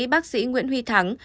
bác sĩ nguyễn huy thắng